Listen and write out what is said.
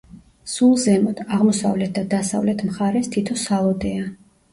სულ ზემოთ, აღმოსავლეთ და დასავლეთ მხარეს თითო სალოდეა.